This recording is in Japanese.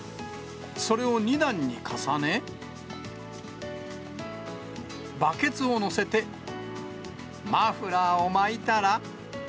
それを２段に重ね、バケツを乗せて、マフラーを巻いたら。